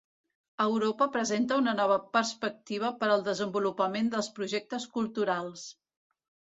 Europa presenta una nova perspectiva per al desenvolupament dels projectes culturals.